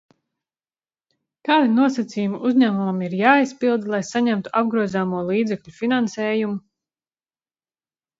Kādi nosacījumi uzņēmumam ir jāizpilda, lai saņemtu apgrozāmo līdzekļu finansējumu?